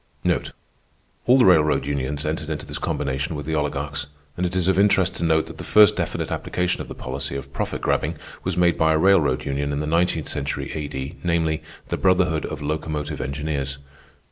All the railroad unions entered into this combination with the oligarchs, and it is of interest to note that the first definite application of the policy of profit grabbing was made by a railroad union in the nineteenth century A.D., namely, the Brotherhood of Locomotive Engineers.